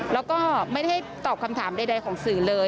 แล้วก็ไม่ได้ตอบคำถามใดของสื่อเลย